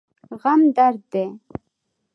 غم درد دی.